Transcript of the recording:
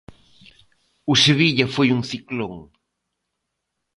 O Sevilla foi un ciclón.